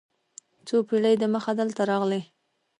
څو پېړۍ دمخه دلته راغلي.